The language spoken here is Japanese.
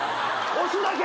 押すだけ！？